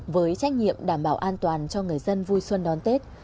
với trách nhiệm đảm bảo an toàn cho người dân vui xuân đón tết